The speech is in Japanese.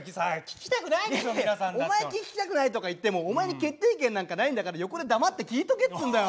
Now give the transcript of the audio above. お前「聞きたくない」とか言ってもお前に決定権なんかないんだから横で黙って聞いとけっつうんだよ。